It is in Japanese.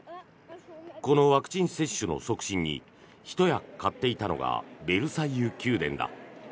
このワクチン接種の促進にひと役買っていたのがベルサイユ宮殿だ。